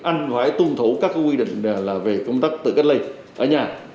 anh phải tuân thủ các quy định là về công tác tự cách ly ở nhà